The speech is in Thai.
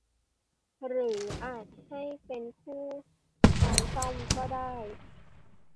หรืออาจให้เป็นคู่ช้อนส้อมก็ได้